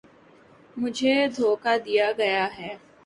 مجھے دھوکا دیا گیا ہے